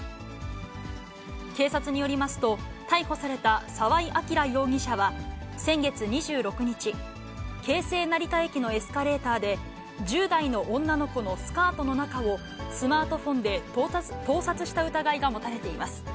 警察によりますと、逮捕された沢井輝容疑者は、先月２６日、京成成田駅のエスカレーターで、１０代の女の子のスカートの中を、スマートフォンで盗撮した疑いが持たれています。